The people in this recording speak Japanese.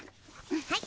はい。